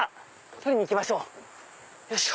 取りに行きましょうよいしょ。